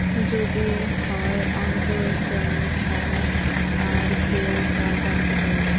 যদি হয় অন্তর্যামী ছাড়া আর কেউ তা জানতে পারবে না।